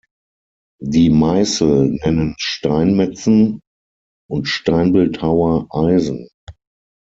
Die „Meißel“ nennen Steinmetzen und Steinbildhauer "Eisen".